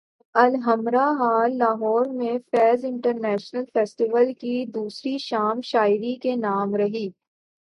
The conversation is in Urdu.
الحمرا ہال لاہور میں فیض انٹرنیشنل فیسٹیول کی دوسری شام شاعری کے نام رہی